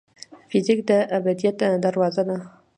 فزیک د ابدیت دروازه ده.